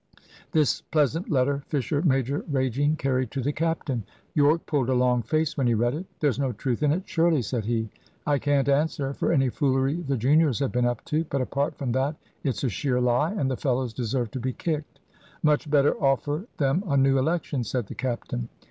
This pleasant letter, Fisher major, raging, carried to the captain. Yorke pulled a long face when he read it. "There's no truth in it, surely?" said he. "I can't answer for any foolery the juniors have been up to; but apart from that, it's a sheer lie, and the fellows deserve to be kicked." "Much better offer them a new election," said the captain.